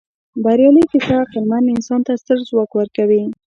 بریالۍ کیسه عقلمن انسان ته ستر ځواک ورکوي.